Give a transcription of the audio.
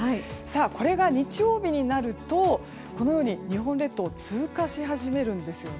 これが日曜日になると日本列島を通過し始めるんです。